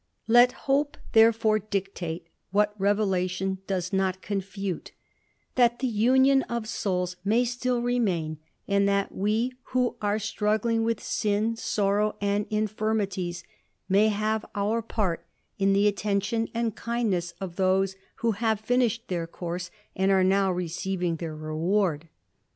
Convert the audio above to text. Let hope therefore dictate, what revelation does not con ftite^ that the union of souls may still remain ; and that we ^•lio are struggling with sin, sorrow, and infirmities, may '^ve our part in the attention and kindness of those who have fiiiished tlieir course, and are now receiving their reward.